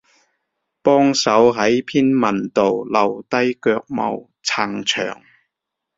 幫手喺篇文度留低腳毛撐場